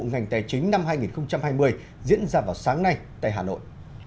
ngành tài chính năm hai nghìn hai mươi diễn ra vào sáng nay tại hà nội